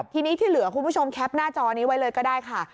ทีนี้ที่เหลือคุณผู้ชมแคปหน้าจอนี้ไว้เลยก็ได้ค่ะ